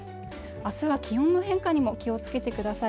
明日は気温の変化にも気をつけてください